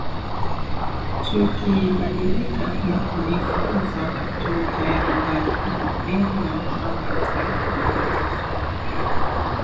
Tukibadilika na kujifunza tutayafurahia mapenzi na mipango ya Taifa itasonga mbele